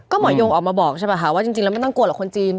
ก็หมอยยกออกมาบอกจริงเราไม่ต้องกลัวเหรอคนจีน